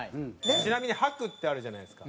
ちなみに白ってあるじゃないですか。